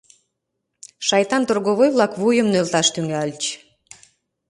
— Шайтан торговой-влак вуйым нӧлташ тӱҥальыч.